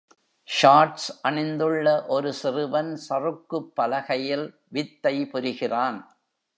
Shorts அணிந்துள்ள ஒரு சிறுவன் சறுக்குப் பலகையில் வித்தை புரிகிறான்.